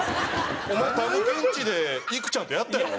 お前たむけんちでいくちゃんとやったやろお前。